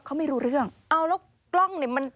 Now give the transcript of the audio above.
เขาไม่รู้เรื่องเอาแล้วกล้องเนี่ยมัน